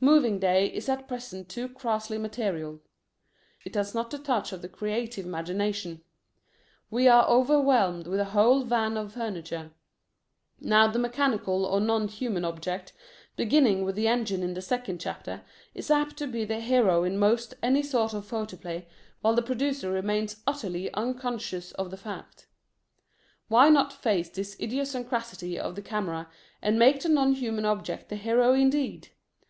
Moving Day is at present too crassly material. It has not the touch of the creative imagination. We are overwhelmed with a whole van of furniture. Now the mechanical or non human object, beginning with the engine in the second chapter, is apt to be the hero in most any sort of photoplay while the producer remains utterly unconscious of the fact. Why not face this idiosyncrasy of the camera and make the non human object the hero indeed?